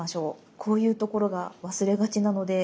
こういうところが忘れがちなので。